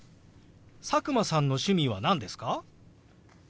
佐久間さんの趣味は何ですか？